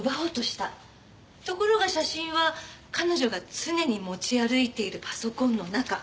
ところが写真は彼女が常に持ち歩いているパソコンの中。